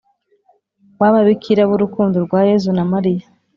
w Ababikira b Urukundo rwaYezu na Mariya